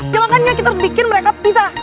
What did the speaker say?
ya makanya kita harus bikin mereka pisah